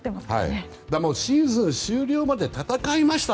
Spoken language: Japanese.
シーズン終了まで戦いました。